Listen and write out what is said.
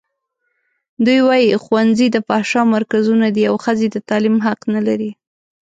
دوی وايي ښوونځي د فحشا مرکزونه دي او ښځې د تعلیم حق نه لري.